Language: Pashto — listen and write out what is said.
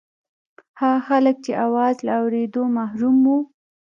هغه خلک چې د اواز له اورېدو محروم وو.